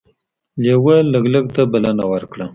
لیوه لګلګ ته بلنه ورکړه.